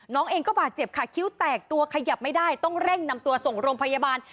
น้องเองก็บาดเจ็บค่ะคิ้วแตกตัวขยับไม่ได้ต้องเร่งนำตัวส่งโรงพยาบาล